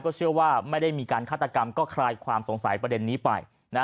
เชื่อว่าไม่ได้มีการฆาตกรรมก็คลายความสงสัยประเด็นนี้ไป